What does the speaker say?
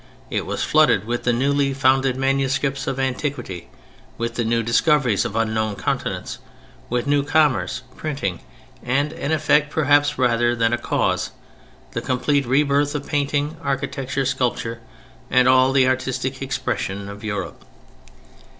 It was flooded with the newly found manuscripts of antiquity, with the new discoveries of unknown continents, with new commerce, printing, and, an effect perhaps rather than a cause, the complete rebirth of painting, architecture, sculpture and all the artistic expression of Europe.